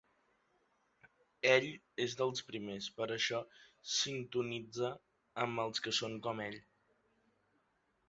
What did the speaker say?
Ell és dels primers i per això sintonitza amb els que són com ell.